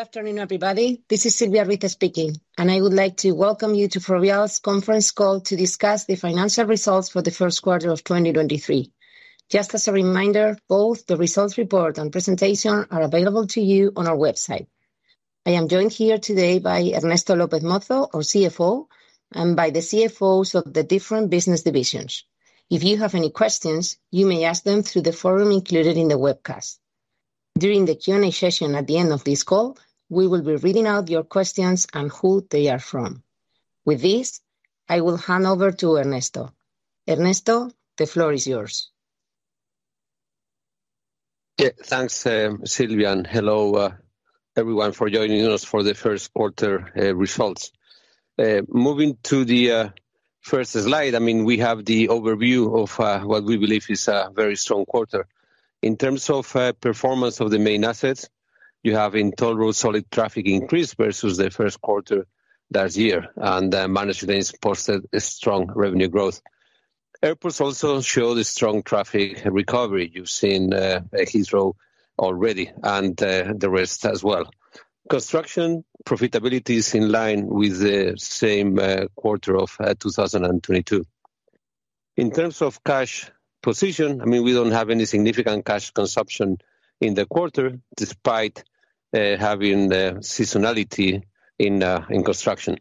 Good afternoon, everybody. This is Silvia Ruiz speaking, and I would like to welcome you to Ferrovial's conference call to discuss the financial results for the first quarter of 2023. As a reminder, both the results report and presentation are available to you on our website. I am joined here today by Ernesto López Mozo, our CFO, and by the CFOs of the different business divisions. If you have any questions, you may ask them through the forum included in the webcast. During the Q&A session at the end of this call, we will be reading out your questions and who they are from. With this, I will hand over to Ernesto. Ernesto, the floor is yours. Yeah. Thanks, Silvia, hello everyone for joining us for the first quarter results. Moving to the first slide, I mean, we have the overview of what we believe is a very strong quarter. In terms of performance of the main assets, you have in toll roads solid traffic increase versus the first quarter last year, managed lanes posted a strong revenue growth. Airports also showed a strong traffic recovery. You've seen Heathrow already the rest as well. Construction profitability is in line with the same quarter of 2022. In terms of cash position, I mean, we don't have any significant cash consumption in the quarter despite having the seasonality in construction.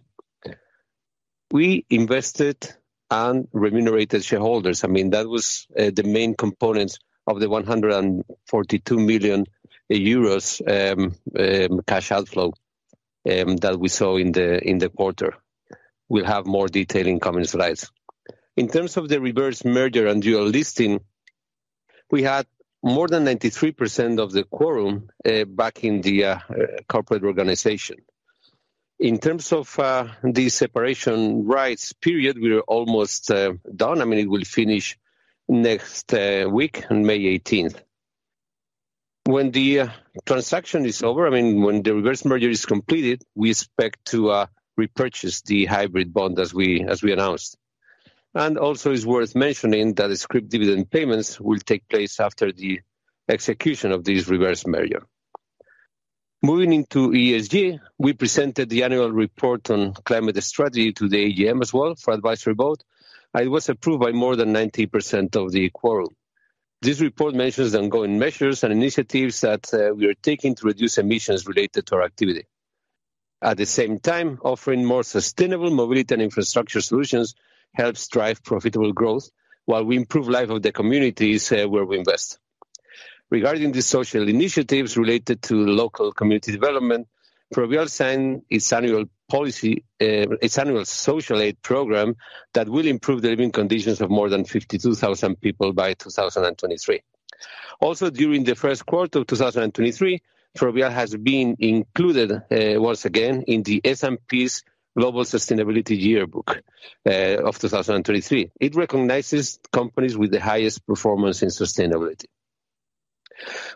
We invested and remunerated shareholders. I mean, that was the main components of the 142 million euros cash outflow that we saw in the quarter. We'll have more detail in coming slides. In terms of the reverse merger and dual listing, we had more than 93% of the quorum back in the corporate organization. In terms of the separation rights period, we are almost done. I mean, it will finish next week on May 18th. When the transaction is over, I mean, when the reverse merger is completed, we expect to repurchase the hybrid bond as we announced. It's worth mentioning that the scrip dividend payments will take place after the execution of this reverse merger. Moving into ESG, we presented the annual report on climate strategy to the AGM as well for advisory vote. It was approved by more than 90% of the quorum. This report mentions the ongoing measures and initiatives that we are taking to reduce emissions related to our activity. At the same time, offering more sustainable mobility and infrastructure solutions helps drive profitable growth while we improve life of the communities where we invest. Regarding the social initiatives related to local community development, Ferrovial signed its annual social aid program that will improve the living conditions of more than 52,000 people by 2023. Also, during the first quarter of 2023, Ferrovial has been included once again in the S&P Global Sustainability Yearbook of 2023. It recognizes companies with the highest performance in sustainability.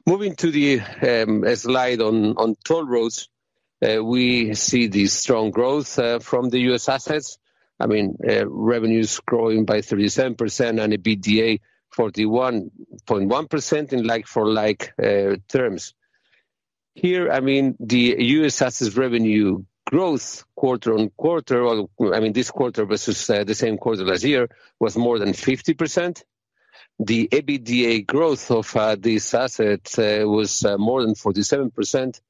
Moving to the slide on toll roads, we see the strong growth from the U.S. assets. I mean, revenues growing by 37% and EBITDA 41.1% in like for like terms. Here, I mean, the U.S. assets revenue growth quarter-on-quarter, or this quarter versus the same quarter last year was more than 50%. The EBITDA growth of this asset was more than 47%.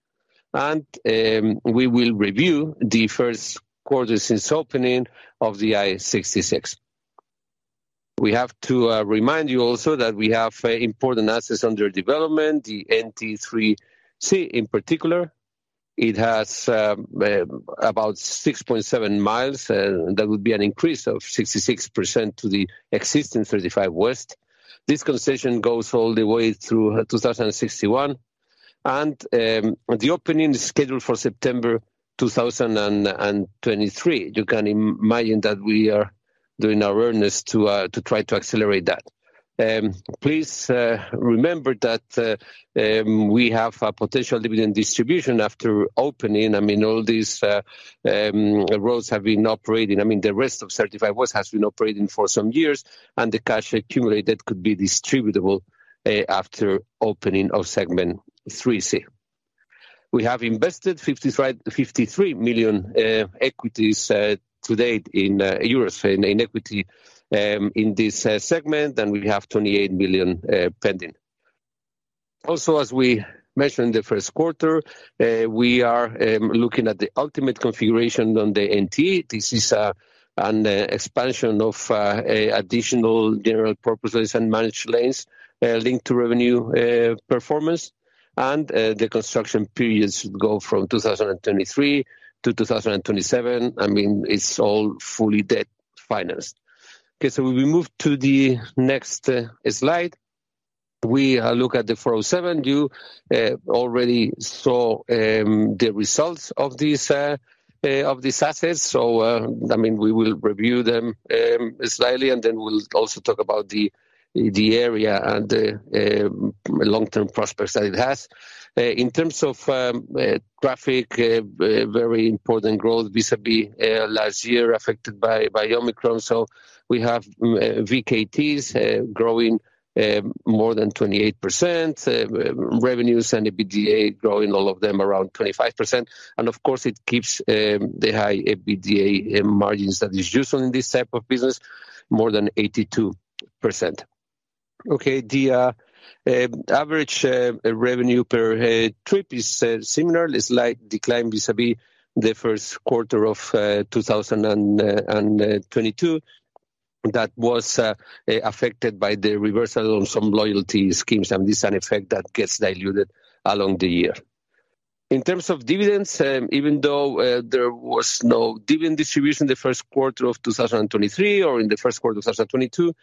We will review the first quarter since opening of the I-66. We have to remind you also that we have important assets under development, the NTE 3C in particular. It has about 6.7 miles, that would be an increase of 66% to the existing 35W. This concession goes all the way through 2061, the opening is scheduled for September 2023. You can imagine that we are doing our earnest to try to accelerate that. Please remember that we have a potential dividend distribution after opening. I mean, all these roads have been operating. I mean, the rest of certified roads has been operating for some years, and the cash accumulated could be distributable after opening of Segment 3C. We have invested 53 million equities to date in euros in equity in this segment, and we have 28 million pending. Also, as we mentioned the first quarter, we are looking at the ultimate configuration on the NT. This is an expansion of additional general purposes and managed lanes linked to revenue performance. The construction period should go from 2023 to 2027. I mean, it's all fully debt financed. Okay, we move to the next slide. We look at the 407. You already saw the results of these assets. I mean, we will review them slightly, we'll also talk about the area and the long-term prospects that it has. In terms of traffic, very important growth vis-a-vis last year affected by Omicron. We have VKTs growing more than 28%, revenues and EBITDA growing all of them around 25%. Of course, it keeps the high EBITDA margins that is usual in this type of business more than 82%. Okay. The average revenue per trip is similar. It's like decline vis-a-vis the first quarter of 2022. That was affected by the reversal on some loyalty schemes, and this an effect that gets diluted along the year. In terms of dividends, even though there was no dividend distribution the first quarter of 2023 or in the first quarter of 2022,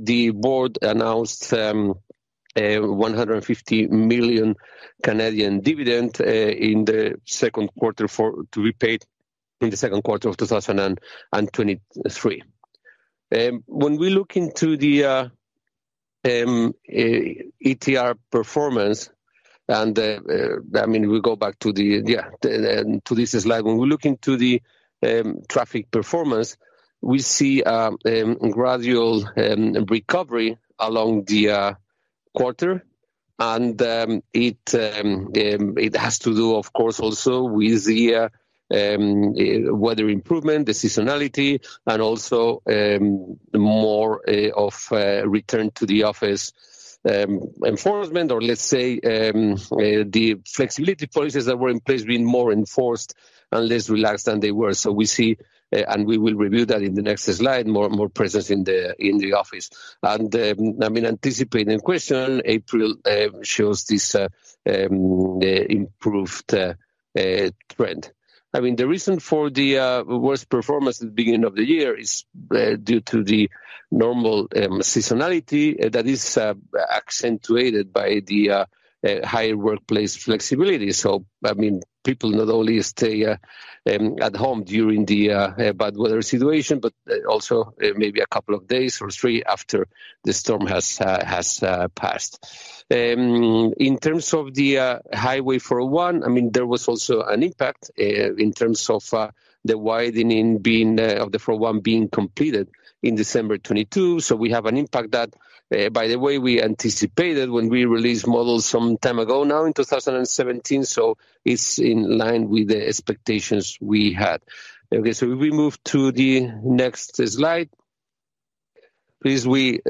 the board announced a 150 million Canadian dividend in the second quarter to be paid in the second quarter of 2023. When we look into the ETR performance and, I mean, we go back to the... Yeah, to this slide. When we look into the traffic performance, we see gradual recovery along the quarter and it has to do, of course, also with the weather improvement, the seasonality and also more of return to the office enforcement or let's say the flexibility policies that were in place being more enforced and less relaxed than they were. We see, and we will review that in the next slide, more presence in the office. I mean, anticipating question, April, shows this improved trend. I mean, the reason for the worst performance at the beginning of the year is due to the normal seasonality that is accentuated by the high workplace flexibility. I mean, people not only stay at home during the bad weather situation, but also maybe a couple of days or three after the storm has passed. In terms of the Highway 401, I mean, there was also an impact in terms of the widening of the 401 being completed in December 2022. We have an impact that, by the way, we anticipated when we released models some time ago now in 2017. It's in line with the expectations we had. Okay, we move to the next slide. Please we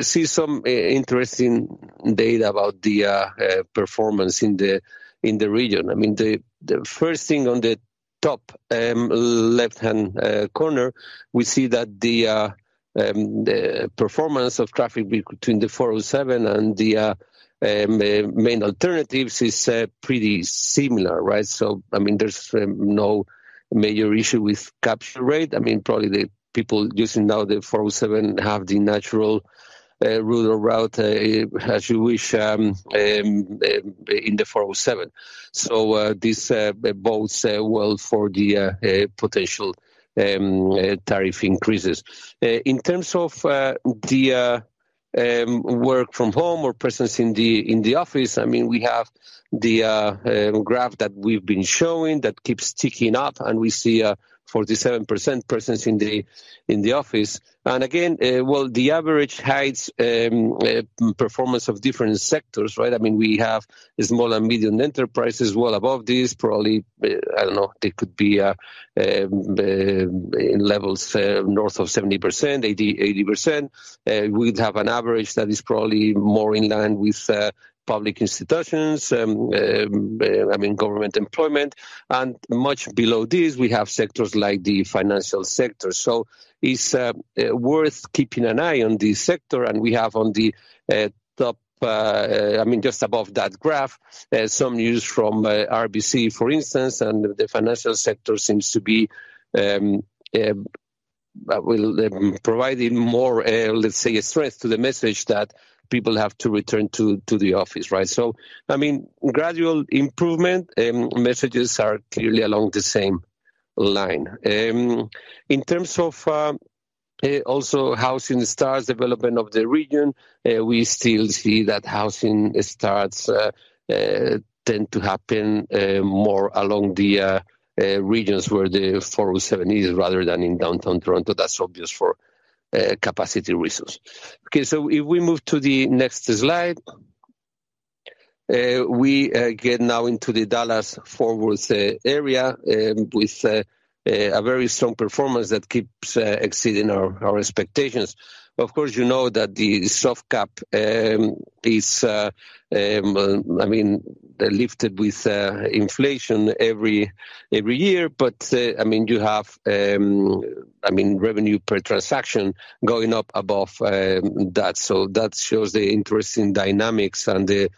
see some interesting data about the performance in the region. I mean, the first thing on the top left-hand corner, we see that the performance of traffic between the 407 and the main alternatives is pretty similar, right? I mean, there's no major issue with capture rate. I mean, probably the people using now the 407 have the natural route or route, as you wish, in the 407. This bodes well for the potential tariff increases. In terms of the work from home or presence in the office, I mean, we have the graph that we've been showing that keeps ticking up, and we see a 47% presence in the office. Again, well, the average hides performance of different sectors, right? I mean, we have small and medium enterprises well above this, probably, I don't know, they could be in levels north of 70%, 80%. We'd have an average that is probably more in line with public institutions, I mean, government employment. Much below this, we have sectors like the financial sector. It's worth keeping an eye on this sector. We have on the, I mean, just above that graph, some news from RBC, for instance, the financial sector seems to be providing more, let's say strength to the message that people have to return to the office, right? I mean, gradual improvement messages are clearly along the same line. In terms of, also housing starts development of the region, we still see that housing starts tend to happen more along the regions where the 407 is rather than in downtown Toronto. That's obvious for capacity reasons. Okay, if we move to the next slide. We get now into the Dallas Fort Worth area, with a very strong performance that keeps exceeding our expectations. Of course, you know that the soft cap, I mean, is lifted with inflation every year. I mean, you have, I mean, revenue per transaction going up above that. That shows the interesting dynamics and the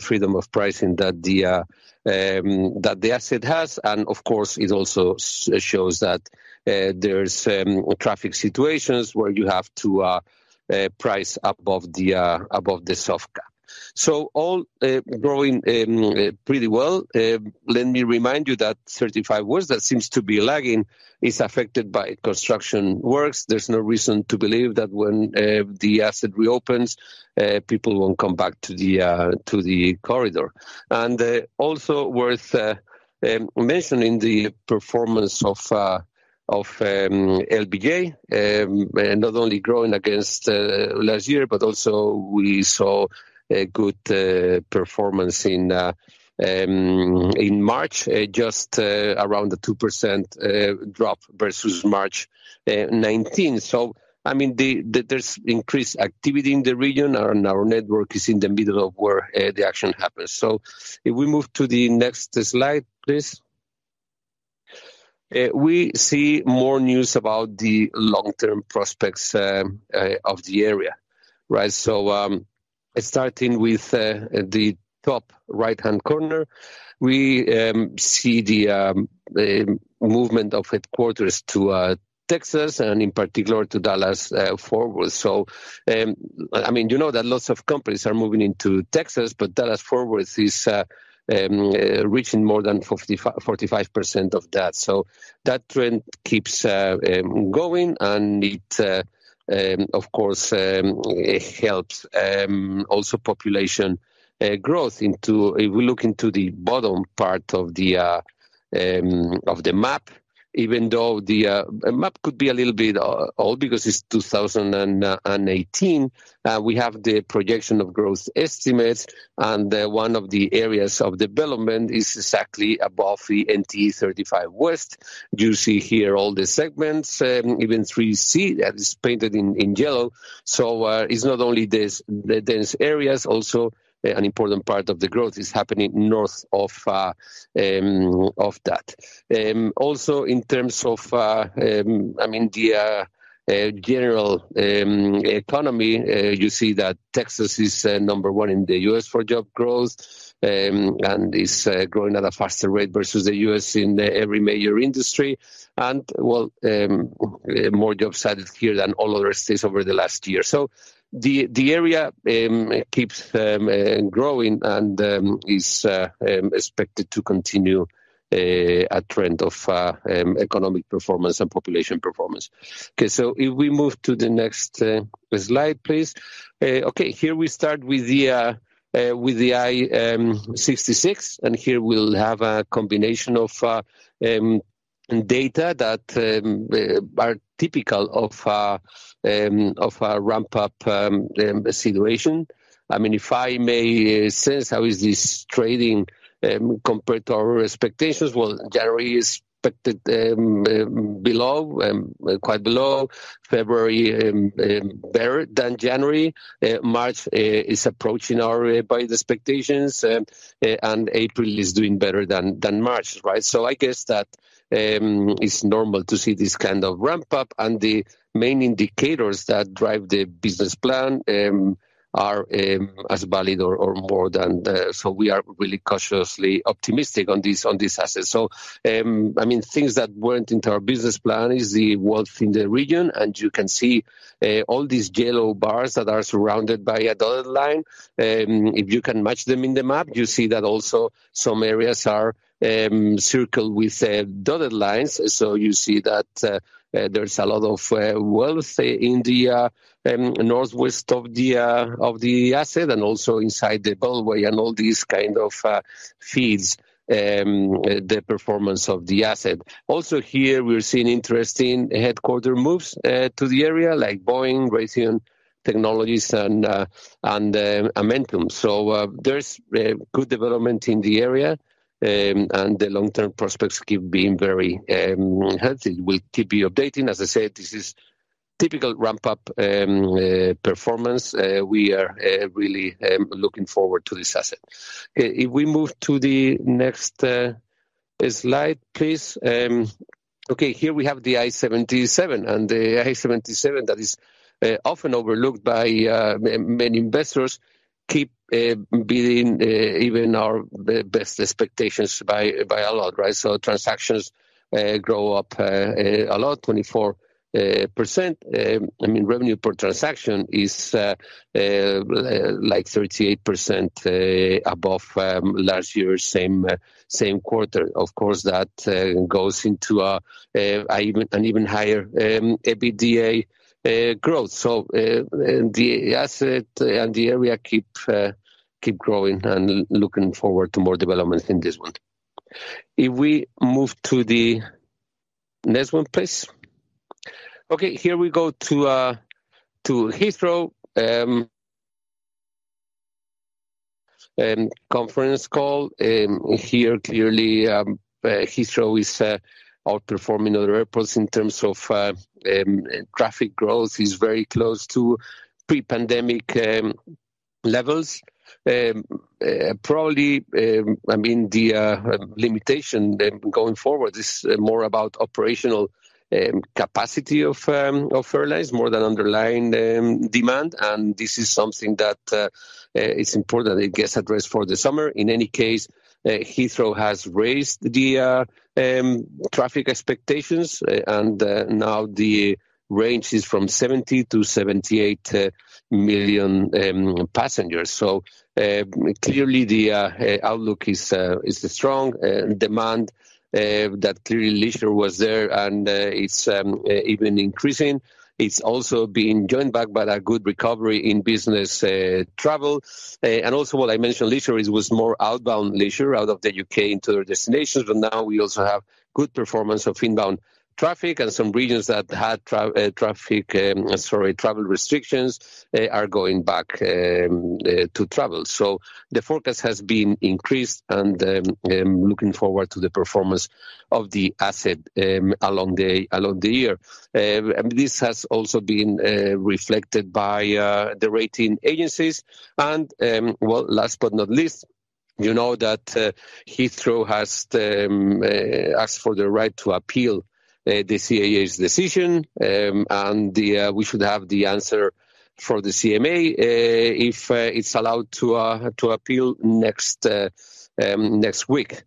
freedom of pricing that the asset has. Of course, it also shows that there's traffic situations where you have to price above the soft cap. All growing pretty well. Let me remind you that 35W that seems to be lagging is affected by construction works. There's no reason to believe that when the asset reopens, people won't come back to the corridor. And also worth mentioning the performance of LBJ, and not only growing against last year, but also we saw a good performance in March, just around the 2% drop versus March 2019. I mean, there's increased activity in the region and our network is in the middle of where the action happens. If we move to the next slide, please. We see more news about the long-term prospects of the area, right? Starting with the top right-hand corner, we see the movement of headquarters to Texas and in particular to Dallas, Fort Worth I mean, you know that lots of companies are moving into Texas, but Dallas, Fort Worth is reaching more than 45% of that. That trend keeps going and it, of course, helps also population growth into. If we look into the bottom part of the map, even though the map could be a little bit old because it's 2018. We have the projection of growth estimates, and one of the areas of development is exactly above the NTE 35W. You see here all the segments, even 3C that is painted in yellow. It's not only this, the dense areas, also an important part of the growth is happening north of that. Also in terms of, I mean, the general economy, you see that Texas is number one in the U.S. for job growth. It's growing at a faster rate versus the U.S. in every major industry. Well, more jobs added here than all other states over the last year. The area keeps growing and is expected to continue a trend of economic performance and population performance. Okay, if we move to the next slide, please. Okay, here we start with the with the I-66, and here we'll have a combination of data that are typical of a ramp up situation. I mean, if I may say, how is this trading compared to our expectations? Well, January is expected below, quite below. February better than January. March is approaching our by the expectations. April is doing better than March, right? I guess that it's normal to see this kind of ramp up, and the main indicators that drive the business plan are as valid or more than the... We are really cautiously optimistic on this, on this asset. I mean, things that weren't into our business plan is the wealth in the region. You can see all these yellow bars that are surrounded by a dotted line. If you can match them in the map, you see that also some areas are circled with dotted lines. You see that there's a lot of wealth in the northwest of the asset and also inside the gateway and all these kind of feeds the performance of the asset. Also here, we're seeing interesting headquarter moves to the area like Boeing, Raytheon Technologies and Amentum. There's good development in the area and the long-term prospects keep being very healthy. We'll keep you updating. As I said, this is typical ramp up performance. We are really looking forward to this asset. If we move to the next slide, please. Okay, here we have the I-77. The I-77 that is often overlooked by many investors keep beating even our best expectations by a lot, right? Transactions grow up a lot, 24%. I mean, revenue per transaction is like 38% above last year's same quarter. Of course, that goes into an even higher EBITDA growth. The asset and the area keep growing and looking forward to more developments in this one. If we move to the next one, please. Okay, here we go to Heathrow conference call. Here clearly, Heathrow is outperforming other airports in terms of traffic growth. It's very close to pre-pandemic levels. Probably, I mean, the limitation then going forward is more about operational capacity of airlines more than underlying demand. This is something that is important it gets addressed for the summer. In any case, Heathrow has raised the traffic expectations, and now the range is from 70 million-78 million passengers. Clearly the outlook is strong. Demand that clearly leisure was there, and it's even increasing. It's also being joined back by that good recovery in business travel. Also what I mentioned, leisure was more outbound leisure out of the U.K. into other destinations. Now we also have good performance of inbound traffic and some regions that had travel restrictions are going back to travel. The forecast has been increased and looking forward to the performance of the asset along the year. This has also been reflected by the rating agencies. Last but not least, you know that Heathrow has asked for the right to appeal the CAA's decision. We should have the answer for the CMA if it's allowed to appeal next week.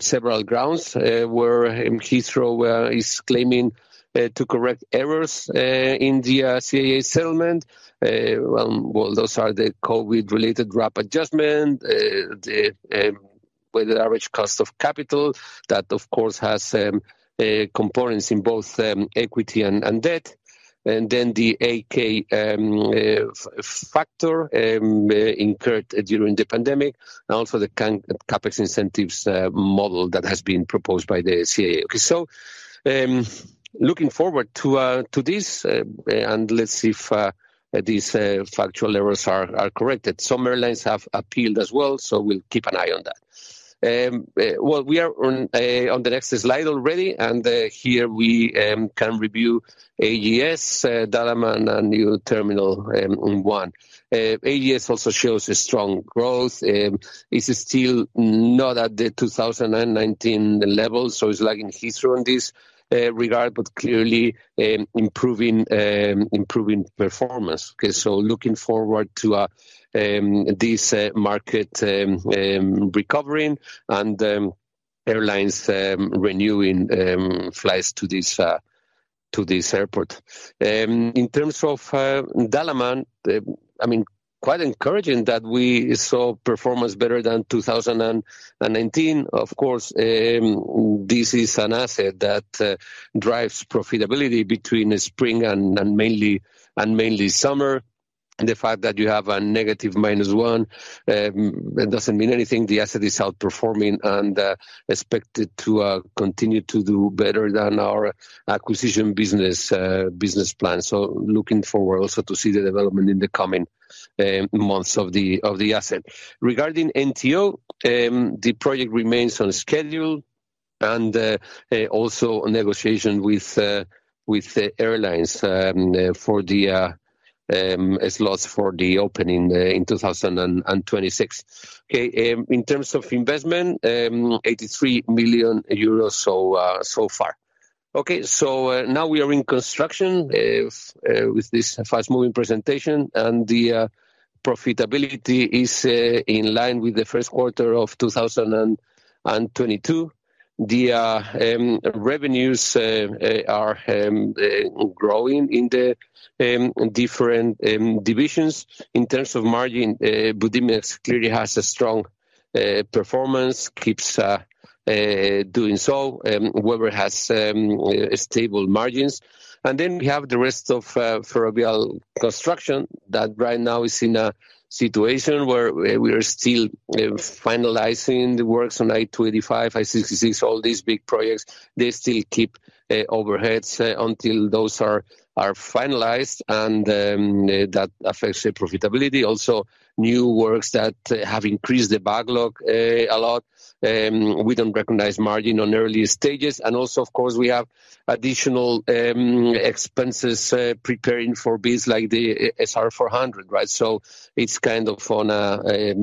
Several grounds where Heathrow is claiming to correct errors in the CAA settlement. Those are the COVID-related rapid adjustment, the weighted average cost of capital that, of course, has components in both equity and debt, and then the K factor incurred during the pandemic and also the CAPEX incentives model that has been proposed by the CAA. Looking forward to this, and let's see if these factual errors are corrected. Some airlines have appealed as well, so we'll keep an eye on that. We are on the next slide already, and here we can review AGS, Dalaman, and New Terminal One. AGS also shows a strong growth, it's still not at the 2019 level, so it's lagging Heathrow on this regard, but clearly improving performance. Okay, looking forward to this market recovering and airlines renewing flights to this airport. In terms of Dalaman, I mean, quite encouraging that we saw performance better than 2019. Of course, this is an asset that drives profitability between spring and mainly summer. The fact that you have a negative -1, it doesn't mean anything. The asset is outperforming and expected to continue to do better than our acquisition business plan. Looking forward also to see the development in the coming months of the asset. Regarding NTO, the project remains on schedule and also negotiation with the airlines for the slots for the opening in 2026. In terms of investment, 83 million euros so far. Okay, now we are in construction with this fast-moving presentation, profitability is in line with the first quarter of 2022. Revenues are growing in the different divisions. In terms of margin, Budimex clearly has a strong performance, keeps doing so, Webber has stable margins. We have the rest of Ferrovial Construction that right now is in a situation where we are still finalizing the works on I-25, I-66, all these big projects. They still keep overheads until those are finalized, that affects the profitability. Also, new works that have increased the backlog a lot. We don't recognize margin on early stages. Also, of course, we have additional expenses preparing for bids like the SR 400, right? It's kind of on a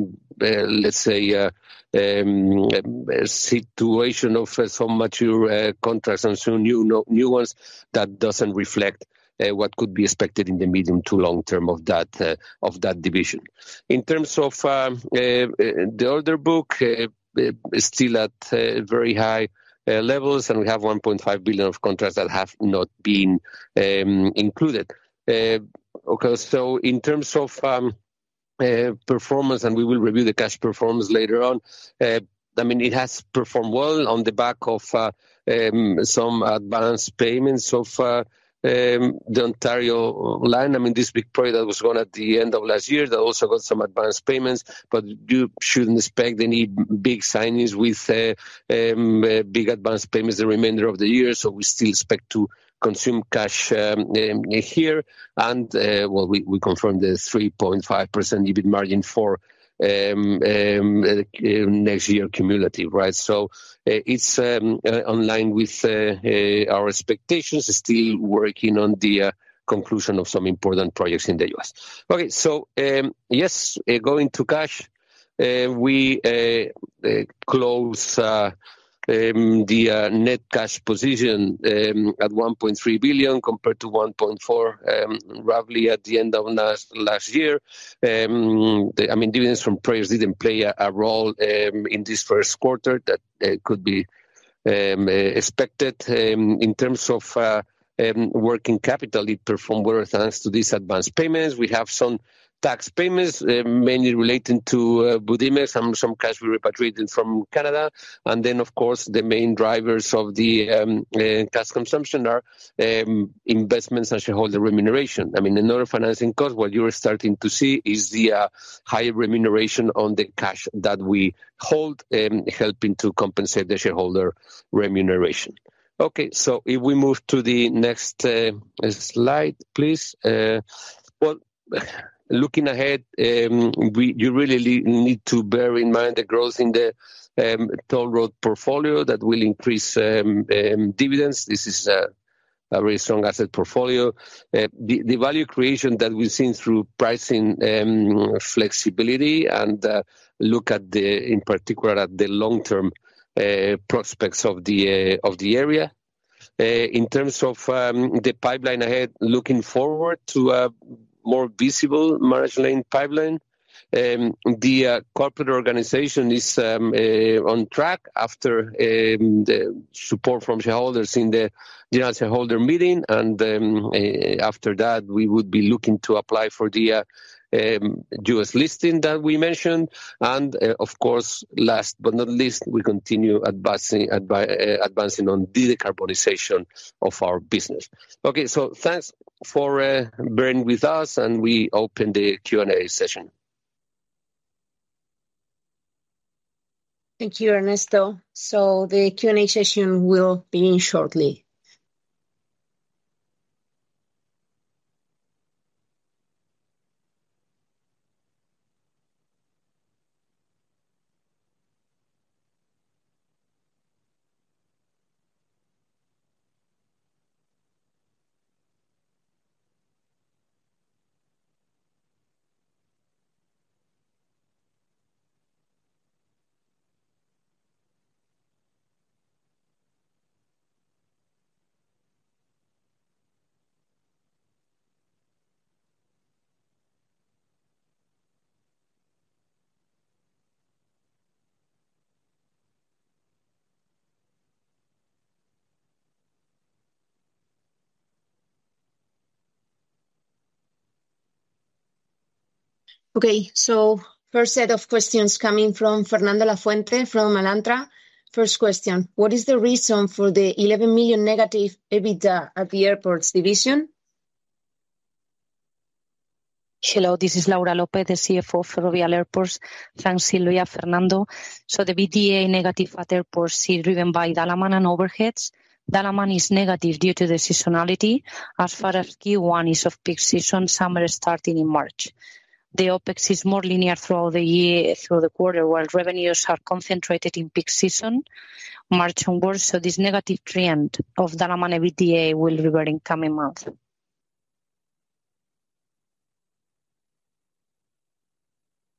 situation of some mature contracts and some new ones that doesn't reflect what could be expected in the medium to long term of that division. In terms of the order book, still at very high levels, and we have 1.5 billion of contracts that have not been included. In terms of performance, and we will review the cash performance later on, I mean, it has performed well on the back of some advanced payments of the Ontario Line. I mean, this big project that was won at the end of last year, that also got some advanced payments, but you shouldn't expect any big signings with big advanced payments the remainder of the year. We still expect to consume cash here. Well, we confirmed the 3.5% EBIT margin for next year cumulative, right? It's in line with our expectations, still working on the conclusion of some important projects in the U.S. Okay, yes, going to cash, we close the net cash position at 1.3 billion compared to 1.4 billion roughly at the end of last year. I mean, dividends from projects didn't play a role in this first quarter that. Expected in terms of working capital, it performed well thanks to these advanced payments. We have some tax payments, mainly relating to Budimex, some cash we repatriated from Canada. Then of course, the main drivers of the cash consumption are investments and shareholder remuneration. I mean, in other financing costs, what you are starting to see is the high remuneration on the cash that we hold, helping to compensate the shareholder remuneration. If we move to the next slide, please. Well, looking ahead, you really need to bear in mind the growth in the toll road portfolio that will increase dividends. This is a very strong asset portfolio. The value creation that we've seen through pricing flexibility and look at the... in particular at the long-term prospects of the of the area. In terms of the pipeline ahead, looking forward to a more visible merge lane pipeline. The corporate organization is on track after the support from shareholders in the general shareholder meeting. After that, we would be looking to apply for the U.S. listing that we mentioned. Of course, last but not least, we continue advancing on the decarbonization of our business. Okay. Thanks for bearing with us, and we open the Q&A session. Thank you, Ernesto. The Q&A session will begin shortly. Okay. First set of questions coming from Fernando Lafuente from Alantra. First question: What is the reason for the 11 million negative EBITDA at the airports division? Hello, this is Laura López, the CFO of Ferrovial Airports. Thanks Silvia, Fernando. The EBITDA negative at airports is driven by Dalaman and overheads. Dalaman is negative due to the seasonality. As far as Q1 is of peak season, summer starting in March. The OpEx is more linear through the year, through the quarter, while revenues are concentrated in peak season, March onwards. This negative trend of Dalaman EBITDA will revert in coming months.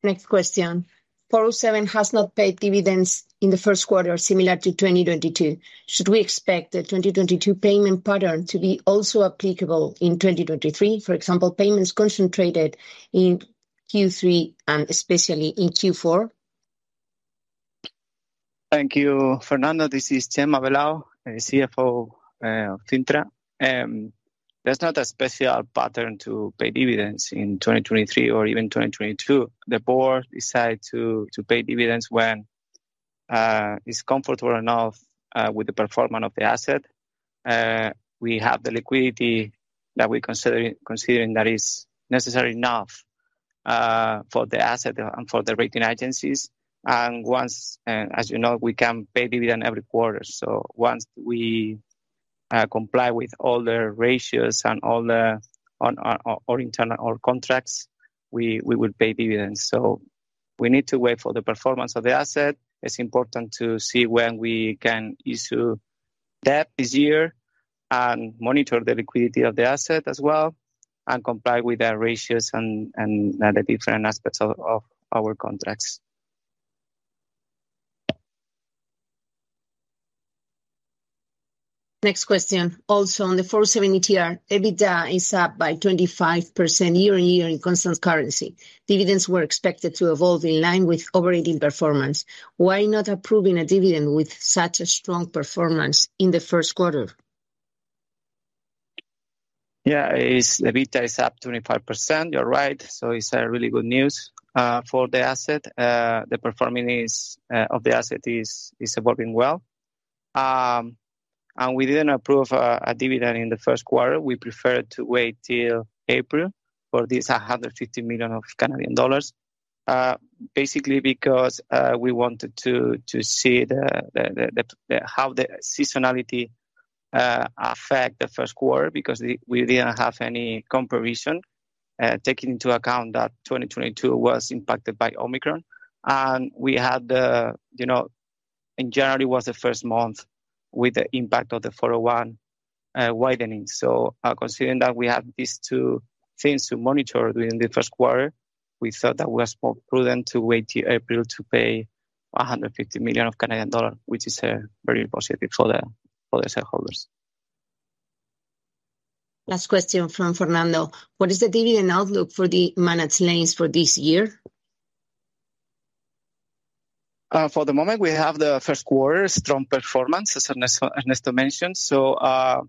Next question. 407 has not paid dividends in the first quarter, similar to 2022. Should we expect the 2022 payment pattern to be also applicable in 2023, for example, payments concentrated in Q3 and especially in Q4? Thank you, Fernando. This is Chema Velao, the CFO of Cintra. There's not a special pattern to pay dividends in 2023 or even 2022. The board decide to pay dividends when it's comfortable enough with the performance of the asset. We have the liquidity that we're considering that is necessary enough for the asset and for the rating agencies. Once, as you know, we can pay dividend every quarter. Once we comply with all the ratios and our contracts, we will pay dividends. We need to wait for the performance of the asset. It's important to see when we can issue debt this year and monitor the liquidity of the asset as well, and comply with our ratios and the different aspects of our contracts. Next question. Also on the 407 ETR, EBITDA is up by 25% year-on-year in constant currency. Dividends were expected to evolve in line with operating performance. Why not approving a dividend with such a strong performance in the first quarter? It's EBITDA is up 25%. You're right. It's really good news for the asset. The performance of the asset is evolving well. We didn't approve a dividend in the first quarter. We preferred to wait till April for this 150 million, basically because we wanted to see how the seasonality affect the first quarter because we didn't have any comparison, taking into account that 2022 was impacted by Omicron. You know, January was the first month with the impact of the 401 widening. Considering that we have these two things to monitor during the first quarter, we thought that was more prudent to wait till April to pay 150 million, which is very positive for the shareholders. Last question from Fernando. What is the dividend outlook for the managed lanes for this year? For the moment we have the first quarter strong performance, as Ernesto mentioned. The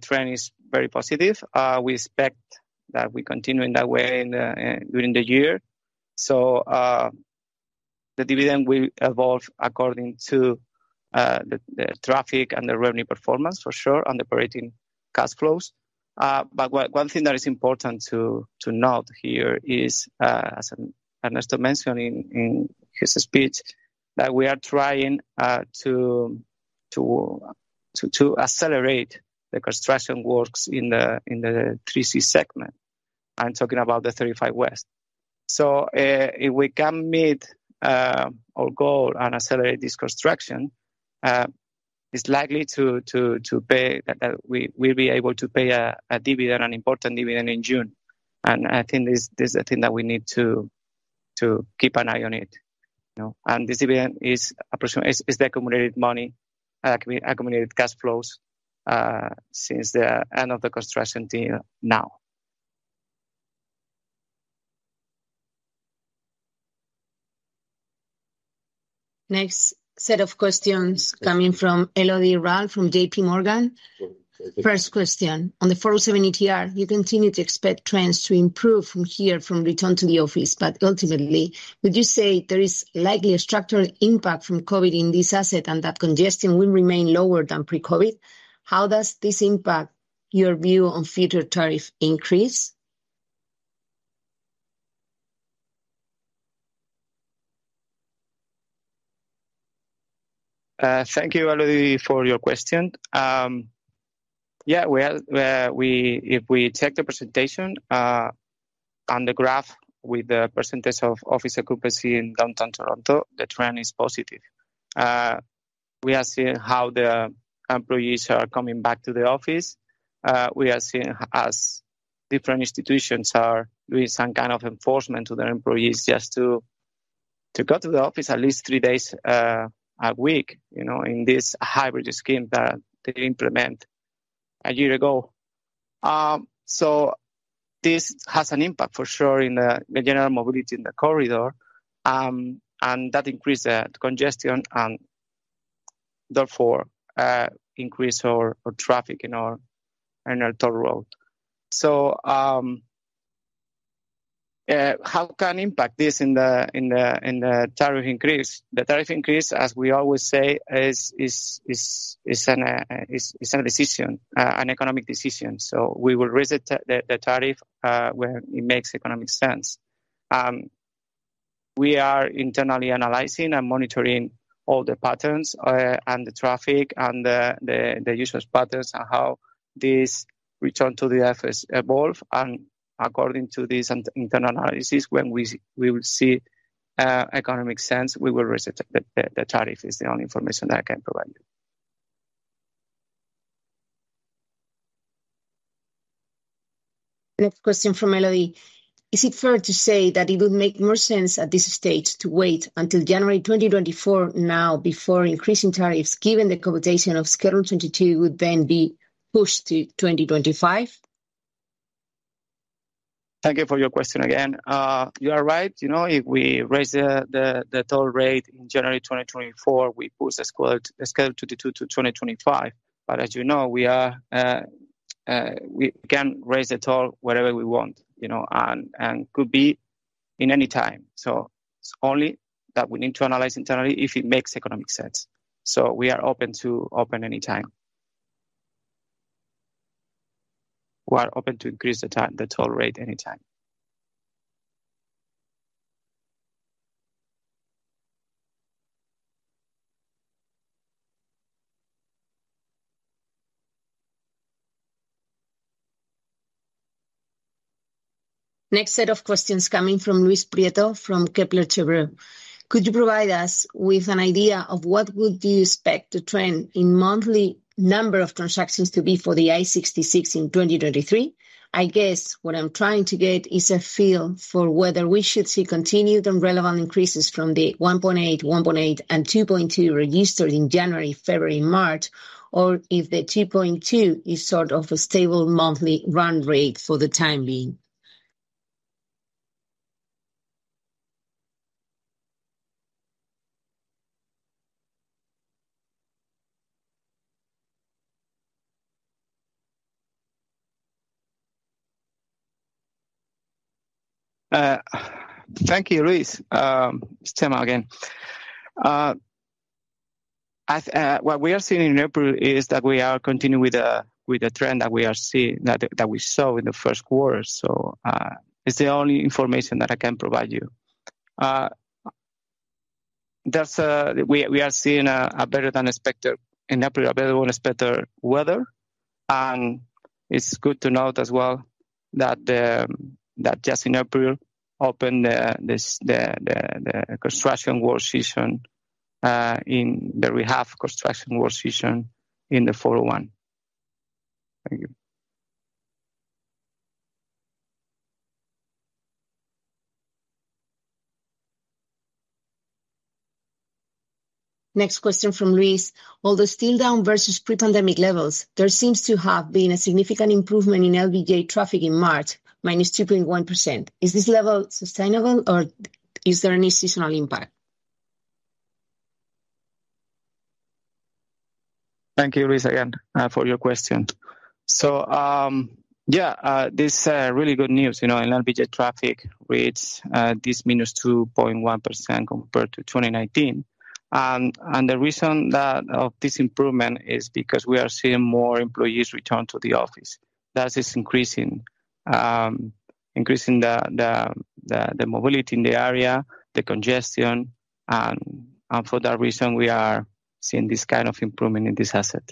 trend is very positive. We expect that we continue in that way during the year. The dividend will evolve according to the traffic and the revenue performance for sure, and operating cash flows. One thing that is important to note here is, as Ernesto mentioned in his speech, that we are trying to accelerate the construction works in the 3C Segment. I'm talking about the 35 West. If we can meet our goal and accelerate this construction, it's likely that we will be able to pay a dividend, an important dividend in June. I think this is the thing that we need to keep an eye on it. You know. This dividend is the accumulated money, accumulated cash flows since the end of the construction till now. Next set of questions coming from Elodie Rall from JP Morgan. First question: On the 407 ETR, you continue to expect trends to improve from here from return to the office. Ultimately, would you say there is likely a structural impact from COVID in this asset and that congestion will remain lower than pre-COVID? How does this impact your view on future tariff increase? Thank you, Elodie, for your question. Yeah, well, if we check the presentation on the graph with the % of office occupancy in downtown Toronto, the trend is positive. We are seeing how the employees are coming back to the office. We are seeing as different institutions are doing some kind of enforcement to their employees just to go to the office at least 3 days a week, you know, in this hybrid scheme that they implement a year ago. This has an impact for sure in the general mobility in the corridor, that increase the congestion and therefore, increase our traffic in our toll road. How can impact this in the tariff increase? The tariff increase, as we always say, is a decision, an economic decision. We will raise the tariff when it makes economic sense. We are internally analyzing and monitoring all the patterns, and the traffic and the users patterns and how this return to the office evolve. According to this internal analysis, when we will see economic sense, we will raise it. The tariff is the only information that I can provide you. Next question from Elodie. Is it fair to say that it would make more sense at this stage to wait until January 2024 now before increasing tariffs, given the computation of Schedule 22 would then be pushed to 2025? Thank you for your question again. You are right. You know, if we raise the toll rate in January 2024, we push the schedule, the Schedule 22 to 2025. As you know, we are, we can raise the toll whenever we want, you know, and could be in any time. It's only that we need to analyze internally if it makes economic sense. We are open to open any time. We are open to increase the toll rate any time. Next set of questions coming from Luis Prieto from Kepler Cheuvreux. Could you provide us with an idea of what would you expect the trend in monthly number of transactions to be for the I-66 in 2023? I guess what I'm trying to get is a feel for whether we should see continued and relevant increases from the 1.8, 1.8, and 2.2 registered in January, February, March, or if the 2.2 is sort of a stable monthly run rate for the time being. Thank you, Luis. It's Chema again. What we are seeing in April is that we are continuing with the trend that we saw in the first quarter. It's the only information that I can provide you. That's, we are seeing a better than expected in April, a better than expected weather. It's good to note as well that just in April opened the construction work season in the rehab construction work season in the Highway 401. Thank you. Next question from Luis. Although still down versus pre-pandemic levels, there seems to have been a significant improvement in LBJ traffic in March, minus 2.1%. Is this level sustainable, or is there any seasonal impact? Thank you, Luis, again, for your question. Yeah, this really good news, you know, in LBJ Express traffic with this -2.1% compared to 2019. The reason of this improvement is because we are seeing more employees return to the office. Thus, it's increasing the mobility in the area, the congestion, and for that reason, we are seeing this kind of improvement in this asset.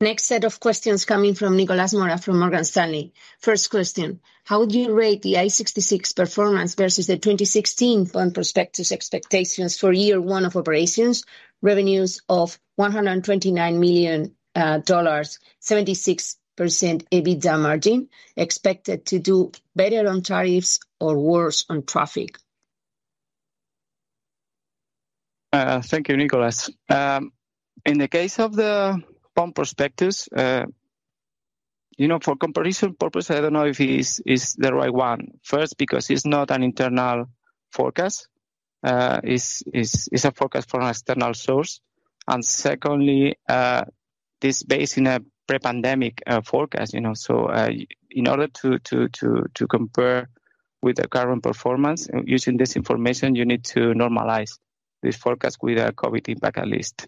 Next set of questions coming from Nicolás Mora from Morgan Stanley. First question, how would you rate the I-66 performance versus the 2016 bond prospectus expectations for year one of operations, revenues of $129 million, 76% EBITDA margin, expected to do better on tariffs or worse on traffic? Thank you, Nicolás. In the case of the bond prospectus, you know, for comparison purpose, I don't know if it is the right one. First, because it's not an internal forecast, it's a forecast from an external source. Secondly, this based in a pre-pandemic forecast, you know. In order to compare with the current performance using this information, you need to normalize this forecast with a COVID impact at least.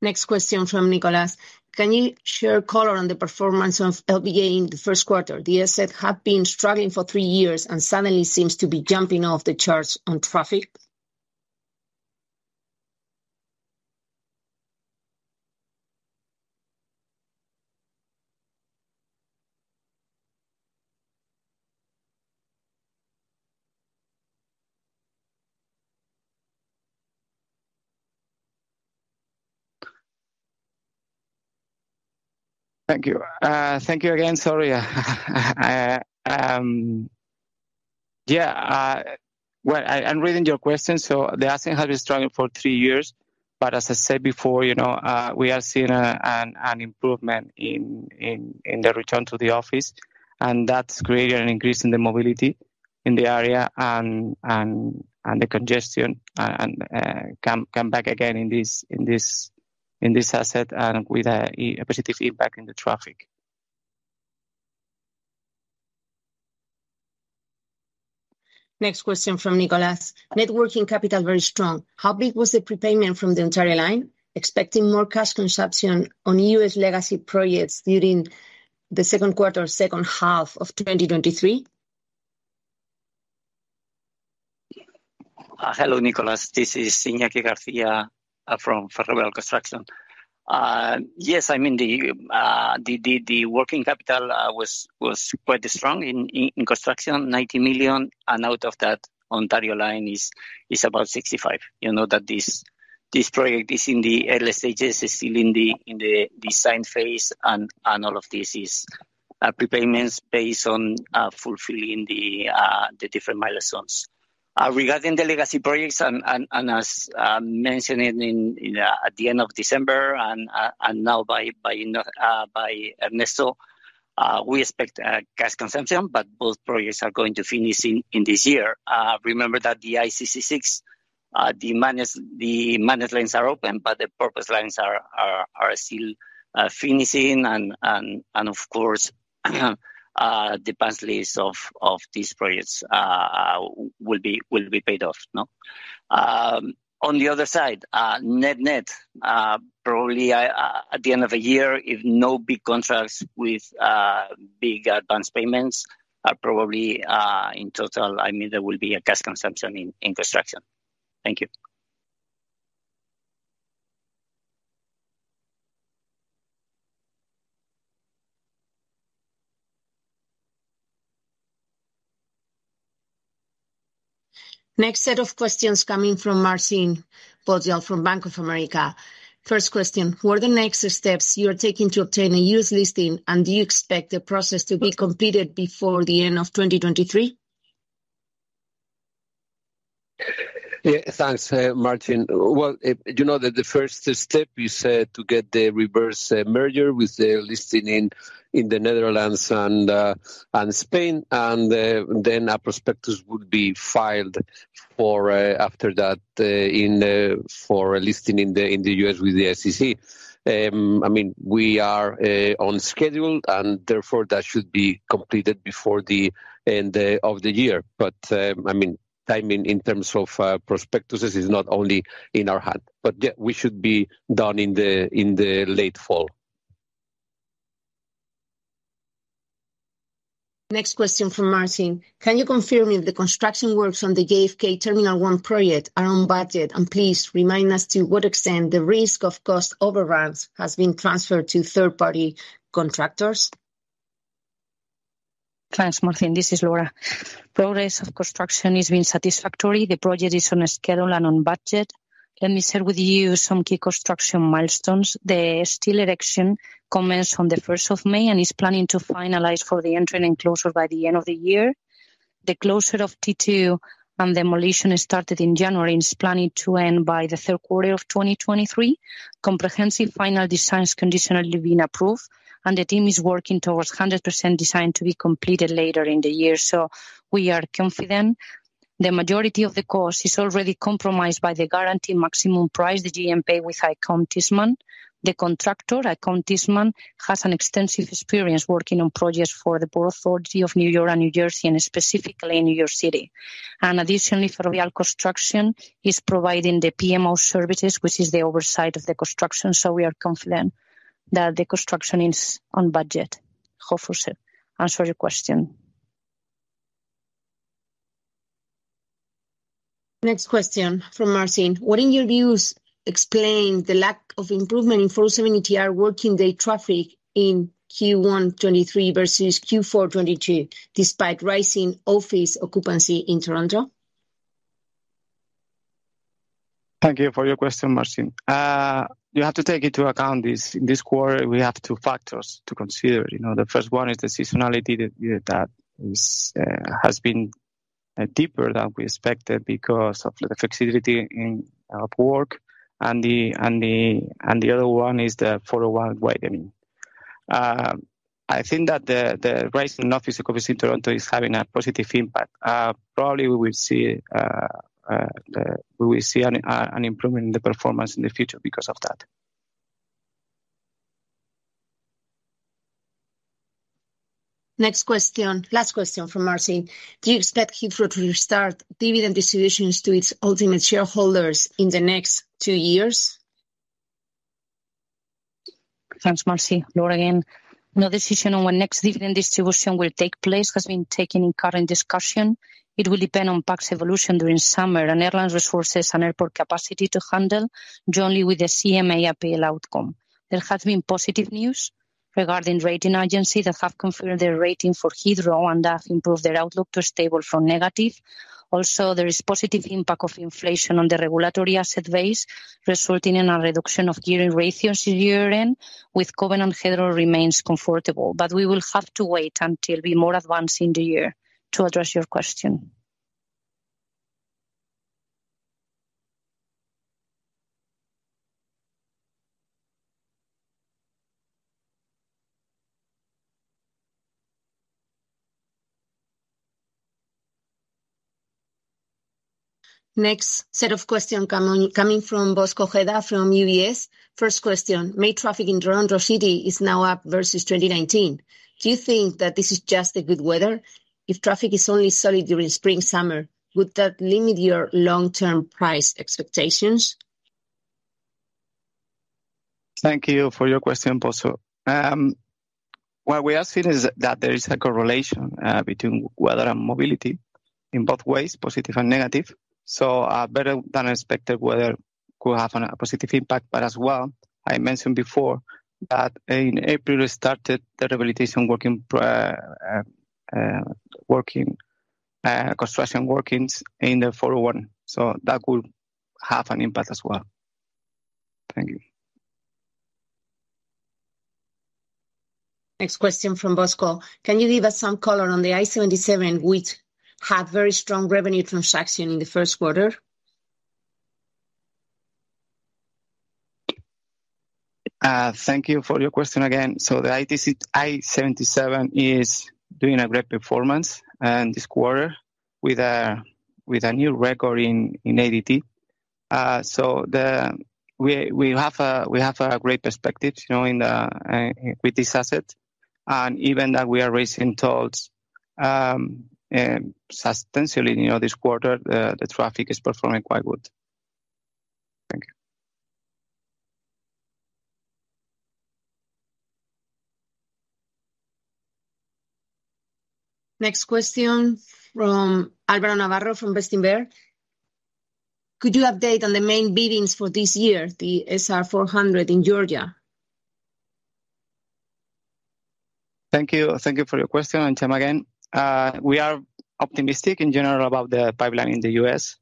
Next question from Nicolás. Can you share color on the performance of LBJ in the first quarter? The asset had been struggling for three years and suddenly seems to be jumping off the charts on traffic. set has been struggling for 3 years. But as I said before, you know, we are seeing an improvement in the return to the office, and that's creating an increase in the mobility in the area and the congestion come back again in this asset and with a positive impact in the traffic Next question from Nicolás. Net working capital very strong. How big was the prepayment from the Ontario Line? Expecting more cash consumption on U.S. legacy projects during the second quarter, second half of 2023? Hello, Nicolás. This is Iñaki García from Ferrovial Construction. Yes, I mean, the working capital was quite strong in construction, 90 million, and out of that Ontario Line is about 65. You know that this project is in the early stages, is still in the design phase and all of this is prepayments based on fulfilling the different milestones. Regarding the legacy projects and as mentioned in at the end of December and now by Ernesto, we expect cash consumption, but both projects are going to finish in this year. Remember that the I-66, the managed lanes are open, but the purpose lanes are still finishing and of course, the lease of these projects will be paid off, no? On the other side, net-net, probably at the end of the year, if no big contracts with big advanced payments are probably, in total, I mean, there will be a cash consumption in construction. Thank you. Next set of questions coming from Marcin Wojtal from Bank of America. First question, what are the next steps you are taking to obtain a U.S. listing, and do you expect the process to be completed before the end of 2023? Thanks, Marcin. Well, you know, the first step is to get the reverse merger with the listing in the Netherlands and Spain. A prospectus would be filed for after that in for a listing in the U.S. with the SEC. I mean, we are on schedule, and therefore that should be completed before the end of the year. I mean, timing in terms of prospectuses is not only in our hand. Yeah, we should be done in the late fall. Next question from Marcin. Can you confirm if the construction works on the JFK Terminal One project are on budget? Please remind us to what extent the risk of cost overruns has been transferred to third-party contractors? Thanks, Marcin. This is Laura López. Progress of construction is being satisfactory. The project is on a schedule and on budget. Let me share with you some key construction milestones. The steel erection commenced on the first of May, and is planning to finalize for the entrance enclosure by the end of the year. The closure of T2 and demolition that started in January is planning to end by the third quarter of 2023. Comprehensive final designs conditionally been approved, and the team is working towards 100% design to be completed later in the year. We are confident. The majority of the cost is already compromised by the Guaranteed Maximum Price, the GMP, with AECOM Tishman. The contractor, AECOM Tishman, has an extensive experience working on projects for the Port Authority of New York and New Jersey, and specifically in New York City. Additionally, Ferrovial Construction is providing the PMO services, which is the oversight of the construction. We are confident that the construction is on budget. Hopeful answered your question. Next question from Marcin. What in your views explain the lack of improvement in 407 ETR working day traffic in Q1 23 versus Q4 22, despite rising office occupancy in Toronto? Thank you for your question, Marcin. You have to take into account this, in this quarter we have two factors to consider, you know. The first one is the seasonality that, you know, that is has been deeper than we expected because of the flexibility in Upwork and the other one is the 401 widening. I think that the rising office occupancy in Toronto is having a positive impact. Probably we will see an improvement in the performance in the future because of that. Last question from Marcin. Do you expect Heathrow to restart dividend distributions to its ultimate shareholders in the next 2 years? Thanks, Marcin. Laura López again. No decision on when next dividend distribution will take place has been taken in current discussion. It will depend on PAC's evolution during summer and airlines resources and airport capacity to handle jointly with the CMA appeal outcome. There has been positive news regarding rating agencies that have confirmed their rating for Heathrow, and that improved their outlook to stable from negative. Also, there is positive impact of inflation on the regulatory asset base, resulting in a reduction of gearing ratios year-end, with covenant Heathrow remains comfortable. We will have to wait until we're more advanced in the year to address your question. Next set of question coming from Bosco Ojeda from UBS. First question: May traffic in Toronto City is now up versus 2019. Do you think that this is just the good weather? If traffic is only solid during spring summer, would that limit your long-term price expectations? Thank you for your question, Bosco. What we are seeing is that there is a correlation between weather and mobility in both ways, positive and negative. Better-than-expected weather could have a positive impact. As well, I mentioned before that in April we started the rehabilitation construction workings in the 401. That will have an impact as well. Thank you. Next question from Bosco. Can you give us some color on the I-77 which had very strong revenue transaction in the first quarter? Thank you for your question again. The I-77 is doing a great performance this quarter with a new record in ADT. We have a great perspective, you know, in the with this asset, and even that we are raising tolls substantially. You know, this quarter, the traffic is performing quite good. Thank you. Next question from Álvaro Navarro from Berenberg. Could you update on the main biddings for this year, the SR 400 in Georgia? Thank you. Thank you for your question, Chema. Again, we are optimistic in general about the pipeline in the US,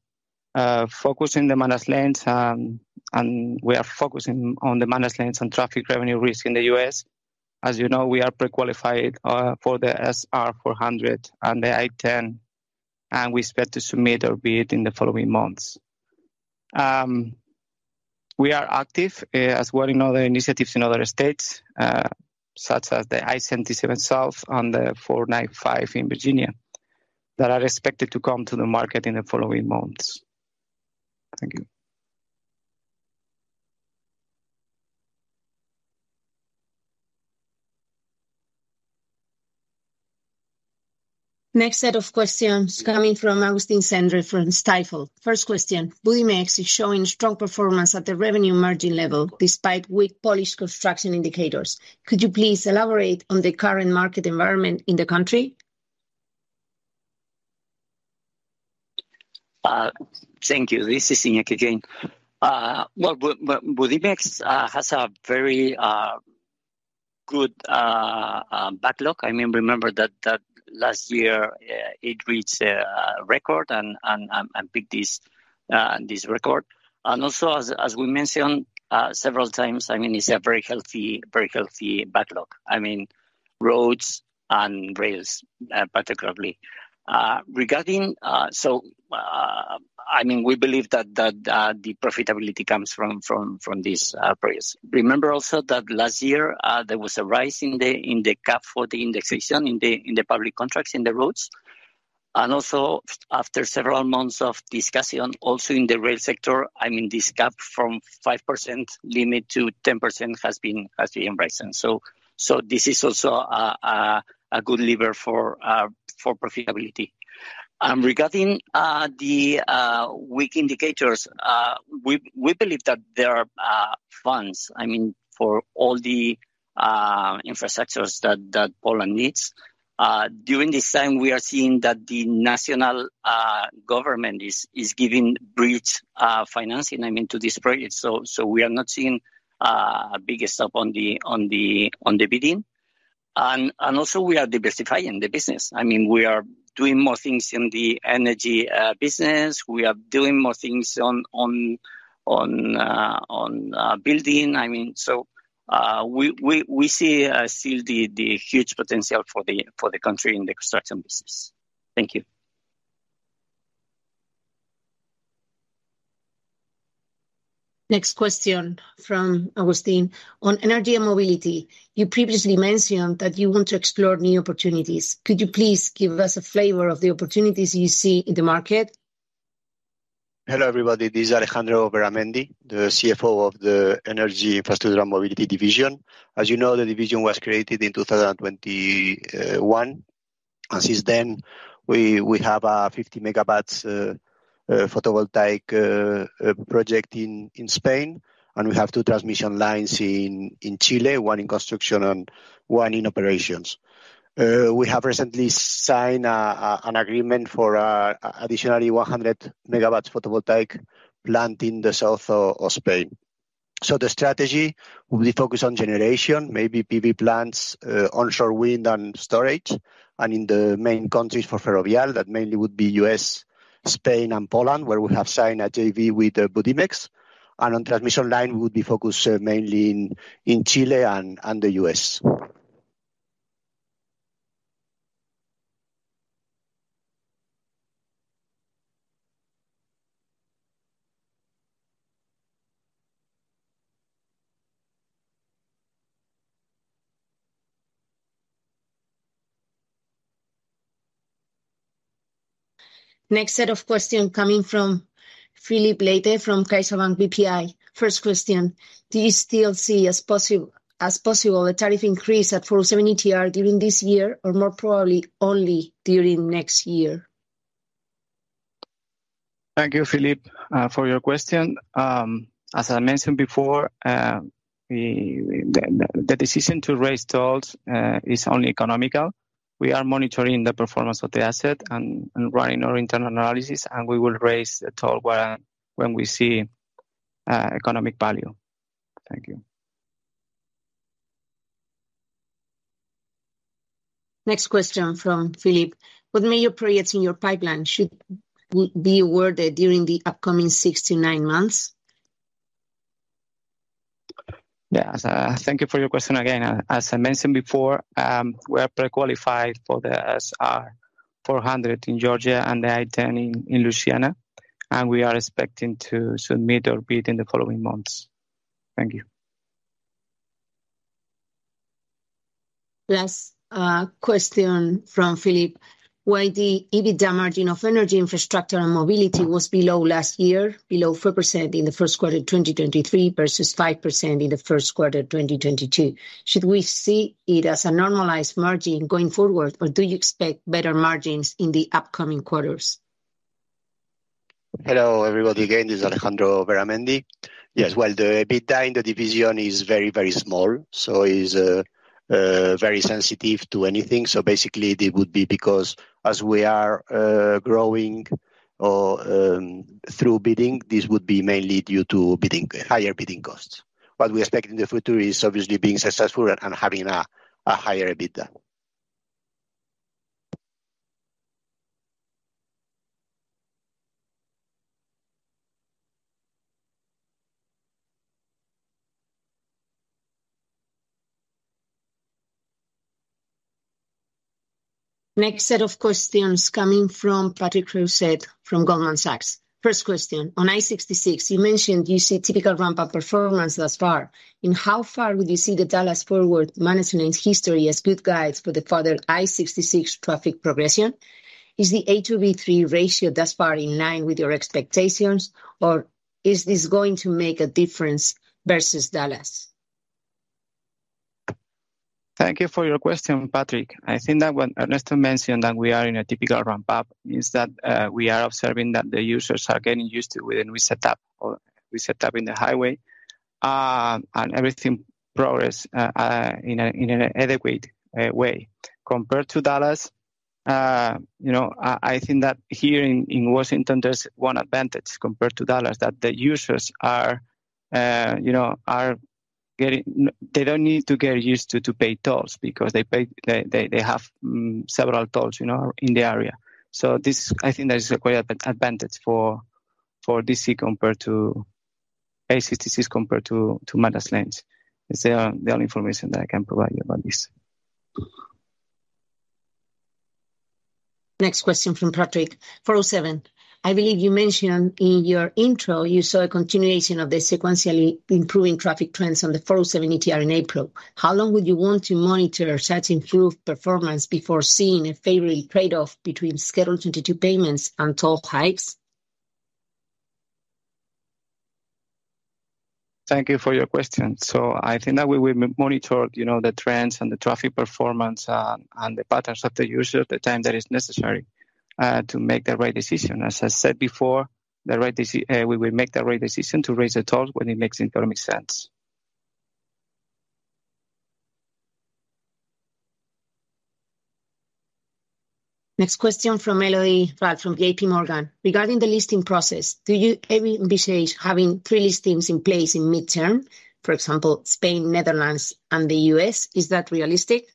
focusing the managed lanes, and we are focusing on the managed lanes and traffic revenue risk in the US. As you know, we are pre-qualified for the SR 400 and the I-10, and we expect to submit our bid in the following months. We are active as well in other initiatives in other states, such as the I-77 South and the 495 in Virginia, that are expected to come to the market in the following months. Thank you. Next set of questions coming from Augustin Cendre from Stifel. First question: Budimex is showing strong performance at the revenue margin level despite weak Polish construction indicators. Could you please elaborate on the current market environment in the country? Thank you. This is Iñak again. Well, Budimex has a very good backlog. I mean, remember that last year it reached a record and beat this record. Also as we mentioned several times, I mean, it's a very healthy, very healthy backlog. I mean, roads and rails particularly. Regarding... So, I mean, we believe that the profitability comes from these projects. Remember also that last year there was a rise in the cap for the indexation in the public contracts, in the roads. Also after several months of discussion, also in the rail sector, I mean, this gap from 5% limit to 10% has been raised. This is also a good lever for profitability. Regarding the weak indicators, we believe that there are funds, I mean, for all the infrastructures that Poland needs. During this time, we are seeing that the national government is giving bridge financing, I mean, to this project. We are not seeing a big stop on the bidding. Also we are diversifying the business. I mean, we are doing more things in the energy business. We are doing more things on building. I mean, we see still the huge potential for the country in the construction business. Thank you. Next question from Augustine. On energy and mobility, you previously mentioned that you want to explore new opportunities. Could you please give us a flavor of the opportunities you see in the market? Hello, everybody. This is Alejandro Veramendi, the CFO of the Energy Infrastructure and Mobility division. As you know, the division was created in 2021. Since then, we have a 50 megabytes photovoltaic project in Spain, and we have two transmission lines in Chile, one in construction and one in operations. We have recently signed an agreement for additionally 100 megawatts photovoltaic plant in the south of Spain. The strategy will be focused on generation, maybe PV plants, onshore wind and storage. In the main countries for Ferrovial, that mainly would be U.S., Spain and Poland, where we have signed a JV with Budimex. On transmission line, we would be focused mainly in Chile and the U.S. Next set of question coming from Filipe Leite from CaixaBank BPI. First question: Do you still see as possible a tariff increase at 407 ETR during this year, or more probably only during next year? Thank you, Philip, for your question. As I mentioned before, the decision to raise tolls is only economical. We are monitoring the performance of the asset and running our internal analysis, and we will raise a toll when we see economic value. Thank you. Next question from Philip. What major projects in your pipeline should be awarded during the upcoming six to nine months? Yeah. Thank you for your question again. As I mentioned before, we are pre-qualified for the SR 400 in Georgia and the I-10 in Louisiana, and we are expecting to submit our bid in the following months. Thank you. Last question from Philip. Why the EBITDA margin of energy, infrastructure and mobility was below last year, below 4% in the first quarter 2023 versus 5% in the first quarter 2022? Should we see it as a normalized margin going forward, or do you expect better margins in the upcoming quarters? Hello, everybody. Again, this is Alejandro Veramendi. Yes, well, the EBITDA in the division is very, very small, so it's very sensitive to anything. Basically it would be because as we are growing, or through bidding, this would be mainly due to higher bidding costs. What we expect in the future is obviously being successful and having a higher EBITDA. Next set of questions coming from Patrick Rousset from Goldman Sachs. First question. On I-66, you mentioned you see typical ramp-up performance thus far. In how far would you see the Dallas Forward maintenance history as good guides for the further I-66 traffic progression? Is the ATR per pax thus far in line with your expectations, or is this going to make a difference versus Dallas? Thank you for your question, Patrick. I think that when Ernesto mentioned that we are in a typical ramp up means that we are observing that the users are getting used to when we set up in the highway, and everything progress in a adequate way. Compared to Dallas, you know, I think that here in Washington there's one advantage compared to Dallas, that the users are, you know, They don't need to get used to pay tolls because they have several tolls, you know, in the area. This I think that is a quite advantage for D.C. compared to ACTC compared to managed lanes. It's the only information that I can provide you about this. Next question from Patrick. 407. I believe you mentioned in your intro you saw a continuation of the sequentially improving traffic trends on the 407 ETR in April. How long would you want to monitor such improved performance before seeing a favorable trade-off between Schedule 22 payments and toll hikes? Thank you for your question. So I think that we will monitor, you know, the trends and the traffic performance and the patterns of the user at the time that is necessary to make the right decision. As I said before, we will make the right decision to raise the toll when it makes economic sense. Next question from Elodie Rall from JP Morgan. Regarding the listing process, do you envision having three listings in place in mid-term, for example, Spain, Netherlands, and the US? Is that realistic?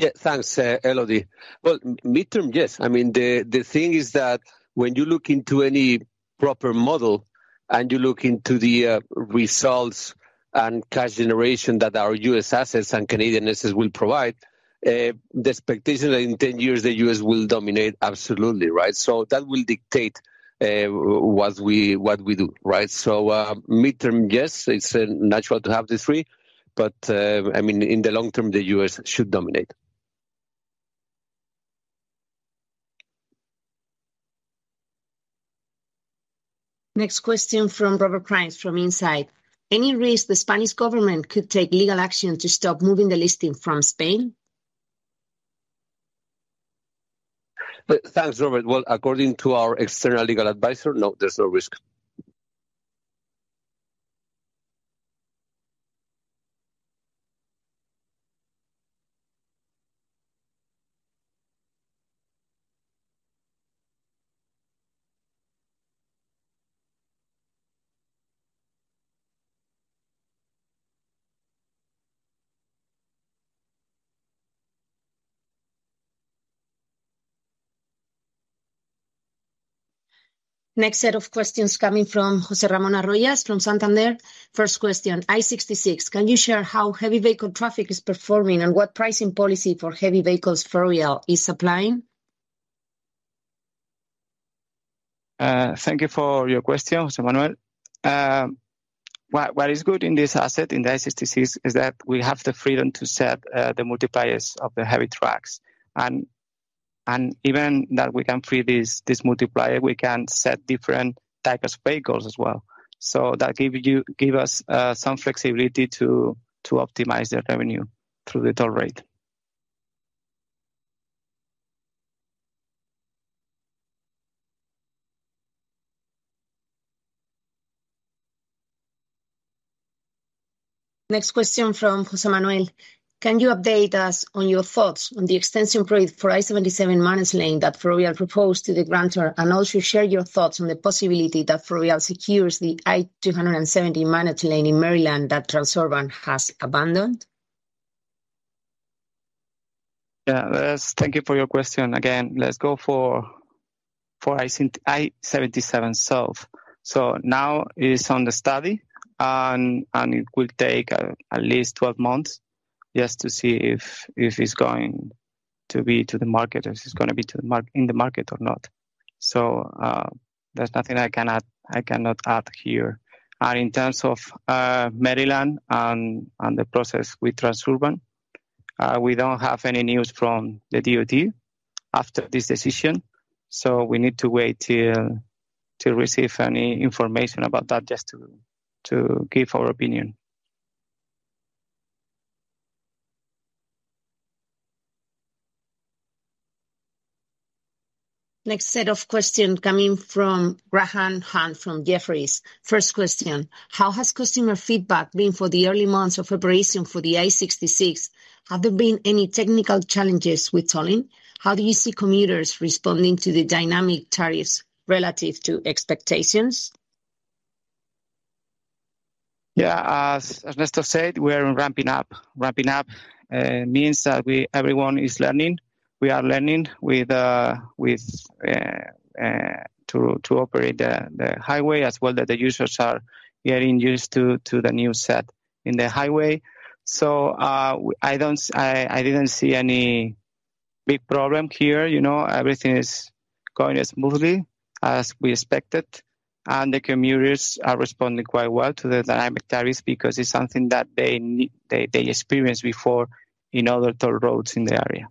Yeah. Thanks, Elodie. Well, midterm, yes. I mean, the thing is that when you look into any proper model and you look into the results and cash generation that our U.S. assets and Canadian assets will provide, the expectation that in 10 years the U.S. will dominate absolutely, right? That will dictate what we, what we do, right? Midterm, yes, it's natural to have the 3, but I mean, in the long term, the U.S. should dominate. Next question from Robert Price from Insight. Any risk the Spanish government could take legal action to stop moving the listing from Spain? Thanks, Robert. According to our external legal advisor, no, there's no risk. Next set of questions coming from José M. Arroyas from Santander. First question, I-66. Can you share how heavy vehicle traffic is performing and what pricing policy for heavy vehicles Ferrovial is applying? Thank you for your question, José Manuel. What is good in this asset, in the I-66, is that we have the freedom to set the multipliers of the heavy trucks. Even that we can free this multiplier, we can set different types of vehicles as well. That give us some flexibility to optimize the revenue through the toll rate. Next question from José Manuel. Can you update us on your thoughts on the extension project for I-77 managed lane that Ferrovial proposed to the grantor, and also share your thoughts on the possibility that Ferrovial secures the I-270 managed lane in Maryland that Transurban has abandoned? Thank you for your question again. Let's go for I-77 South. Now it is on the study and it will take at least 12 months just to see if it's going to be in the market or not. There's nothing I cannot add here. In terms of Maryland and the process with Transurban, we don't have any news from the DOT after this decision, so we need to wait till receive any information about that just to give our opinion. Next set of question coming from Graham Hunt from Jefferies. First question: How has customer feedback been for the early months of operation for the I-66? Have there been any technical challenges with tolling? How do you see commuters responding to the dynamic tariffs relative to expectations? Yeah. As Nestor said, we are ramping up. Ramping up means that we everyone is learning. We are learning with, to operate the highway as well that the users are getting used to the new set in the highway. I didn't see any big problem here. You know, everything is going smoothly as we expected, the commuters are responding quite well to the dynamic tariffs because it's something that they experienced before in other toll roads in the area.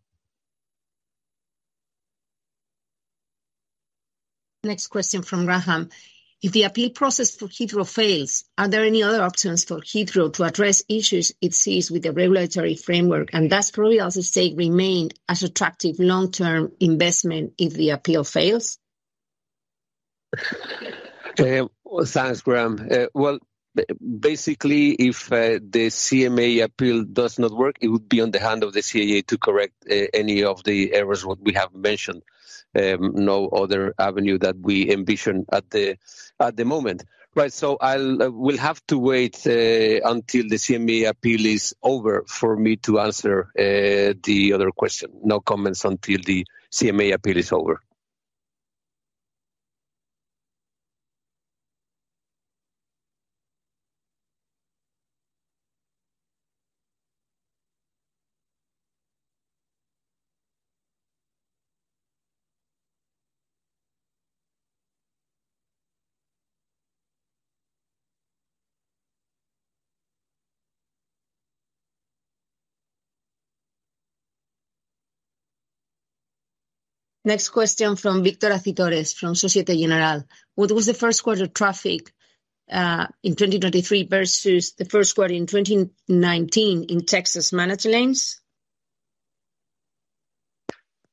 Next question from Graham. If the appeal process for Heathrow fails, are there any other options for Heathrow to address issues it sees with the regulatory framework? Does Ferrovial, as you say, remain as attractive long-term investment if the appeal fails? Thanks, Graham. Well, basically, if the CMA appeal does not work, it would be on the hand of the CAA to correct any of the errors what we have mentioned. No other avenue that we envision at the moment. Right. We'll have to wait until the CMA appeal is over for me to answer the other question. No comments until the CMA appeal is over. Next question from Victor Acitores from Societe Generale. What was the first quarter traffic in 2023 versus the first quarter in 2019 in Texas Managed Lanes?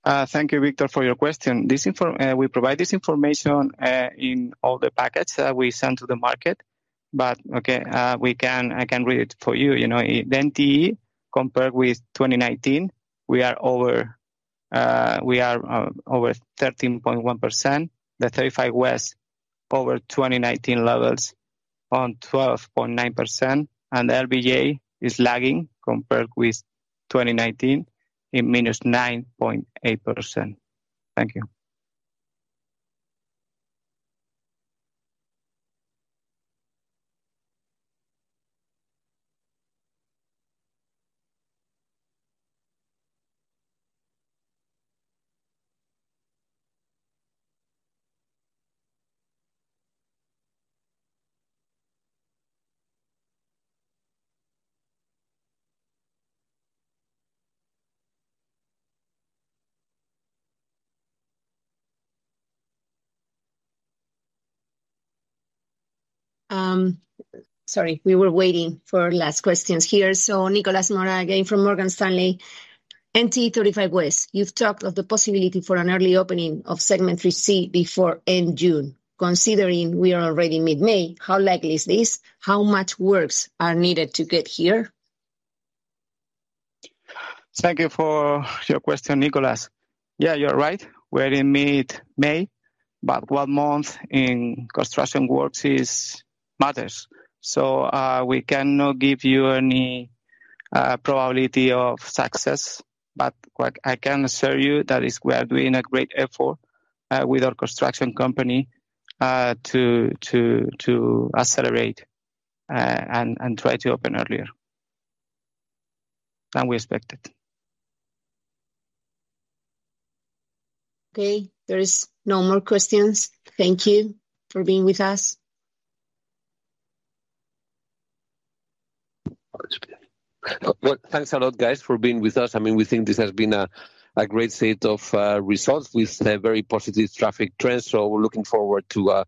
Thank you, Victor, for your question. We provide this information in all the packets that we send to the market. Okay, I can read it for you. You know, the NTE compared with 2019, we are over 13.1%. The NTE 35W over 2019 levels on 12.9%, and LBJ Express is lagging compared with 2019 in minus 9.8%. Thank you. Sorry, we were waiting for last questions here. Nicolás Mora again from Morgan Stanley. NTE 35W, you've talked of the possibility for an early opening of Segment 3C before end June. Considering we are already mid-May, how likely is this? How much works are needed to get here? Thank you for your question, Nicolás. Yeah, you're right, we're in mid-May, but one month in construction works is matters. We cannot give you any probability of success. What I can assure you that is we are doing a great effort with our construction company to accelerate and try to open earlier than we expected. Okay, there is no more questions. Thank you for being with us. Well, thanks a lot guys for being with us. I mean, we think this has been a great set of results with very positive traffic trends. We're looking forward to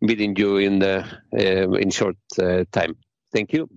meeting you in a short time. Thank you. Bye.